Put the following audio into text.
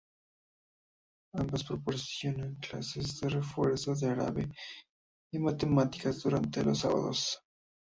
Ambas proporcionan clases de refuerzo en árabe y matemáticas durante los sábados.